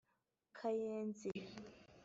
Kayenzi